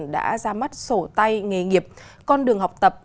đã ra mắt sổ tay nghề nghiệp con đường học tập